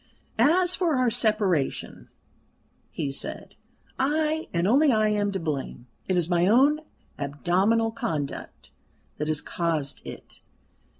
"As for our separation," he said, "I, and only I, am to blame. It is my own abominable conduct that has caused it.